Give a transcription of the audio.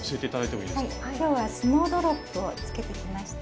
はいきょうは「スノードロップ」をつけてきました。